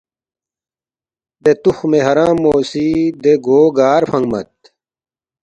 دے تُخمِ حرام مو سی دے گو گار فنگمت